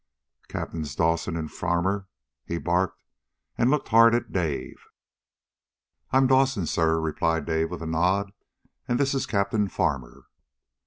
"Captains Dawson and Farmer?" he barked, and looked hard at Dave. "I'm Dawson, sir," Dave replied with a nod. "And this is Captain Farmer."